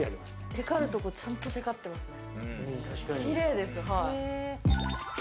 てかるところちゃんとてかってますね。